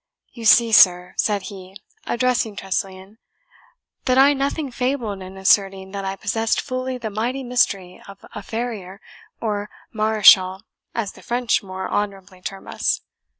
"You see, sir," said he, addressing Tressilian, "that I nothing fabled in asserting that I possessed fully the mighty mystery of a farrier, or mareschal, as the French more honourably term us.